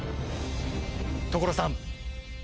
所さん！